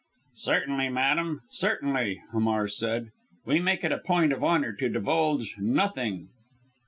"Certainly, madam, certainly!" Hamar said. "We make it a point of honour to divulge nothing!"